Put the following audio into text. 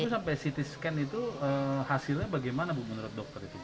sampai ct scan itu hasilnya bagaimana bu menurut dokter